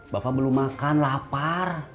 bapak belum makan lapar